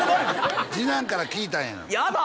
次男から聞いたんややだ！